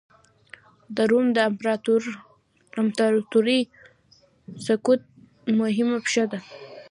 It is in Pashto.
د روم د امپراتورۍ سقوط مهمه پېښه ده.